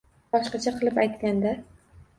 Boshqacha qilib aytganda